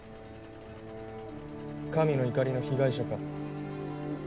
神の怒りの被害者か。